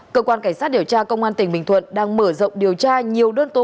cơ quan cảnh sát điều tra công an tỉnh bình thuận đang mở rộng điều tra nhiều đơn tố